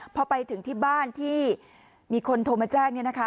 พอไปถึงที่บ้านที่มีคนโทรมาแจ้ง